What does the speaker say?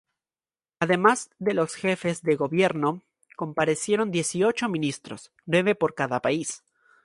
Además de los jefes de gobierno, comparecieron dieciocho ministros, nueve por cada país.